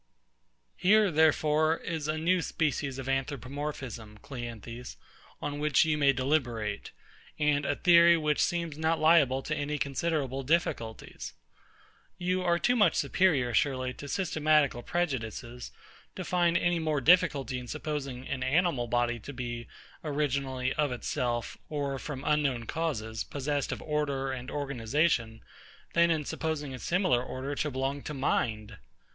Here, therefore, is a new species of Anthropomorphism, CLEANTHES, on which you may deliberate; and a theory which seems not liable to any considerable difficulties. You are too much superior, surely, to systematical prejudices, to find any more difficulty in supposing an animal body to be, originally, of itself, or from unknown causes, possessed of order and organisation, than in supposing a similar order to belong to mind.